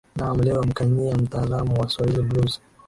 naam leo mkanyia mtaalamu wa swahili blues